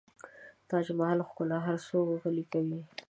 د تاج محل ښکلا هر څوک غلی کوي.